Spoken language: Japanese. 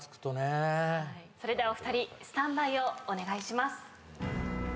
それではお二人スタンバイをお願いします。